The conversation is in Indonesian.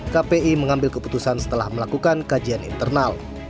kpi mengambil keputusan setelah melakukan kajian internal